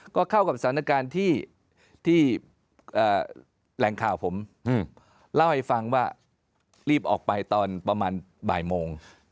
ก็เข้ากับสถานการณ์ที่แหล่งข่าวผมเล่าให้ฟังว่ารีบออกไปตอนประมาณบ่ายโมง